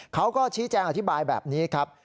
เขาก็ชี้แจงอธิบายแบบนี้ครับ